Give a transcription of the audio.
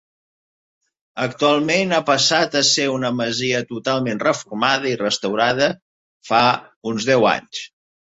Actualment a passat a ser una masia totalment reformada i restaurada fa uns deu anys.